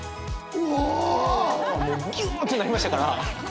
もうギュってなりましたから。